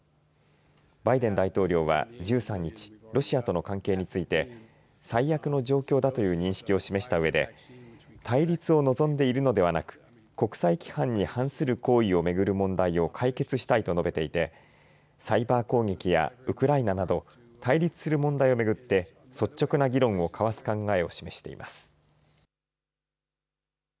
バイデン大統領は１３日、ロシアとの関係について最悪の状況だという認識を示したうえで対立を望んでいるのではなく国際規範に反する行為を巡る問題を解決したいと述べていてサイバー攻撃やウクライナなど対立する問題を巡って率直な議論を交わす考えを示しています。